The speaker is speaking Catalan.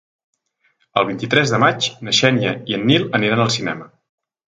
El vint-i-tres de maig na Xènia i en Nil aniran al cinema.